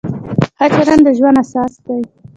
ښه چلند د ژوند اساس دی.